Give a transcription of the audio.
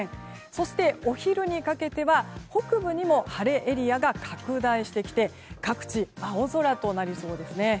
そして、お昼にかけては北部にも晴れエリアが拡大してきて各地、青空となりそうですね。